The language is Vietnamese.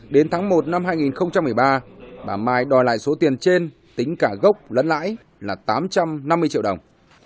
đến tháng một năm hai nghìn một mươi ba bà mai đòi lại số tiền trên tính cả gốc lẫn lãi là tám trăm năm mươi triệu đồng